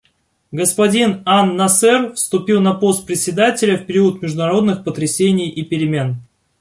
Господин ан-Насер вступил на пост Председателя в период международных потрясений и перемен.